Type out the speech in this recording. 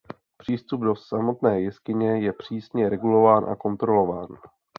Přístup do samotné jeskyně je přísně regulován a kontrolován.